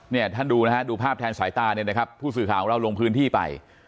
ท่านดูนะฮะดูภาพแทนสายตาเนี่ยนะครับผู้สื่อข่าวของเราลงพื้นที่ไป